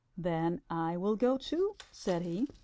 "Then I will go too," said he.